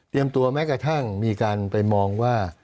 ตัวแม้กระทั่งมีการไปมองว่า